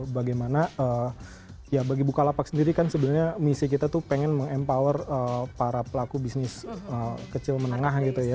bagaimana ya bagi bukalapak sendiri kan sebenarnya misi kita tuh pengen meng empower para pelaku bisnis kecil menengah gitu ya